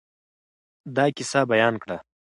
دا قصه بیان کړه.